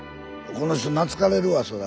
この人懐かれるわそら。